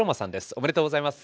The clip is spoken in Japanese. おめでとうございます。